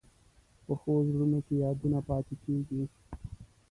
پخو زړونو کې یادونه پاتې کېږي